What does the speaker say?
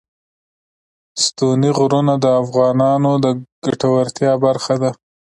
ستوني غرونه د افغانانو د ګټورتیا برخه ده.